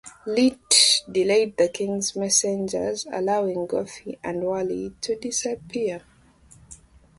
Leete delayed the King's messengers, allowing Goffe and Whalley to disappear.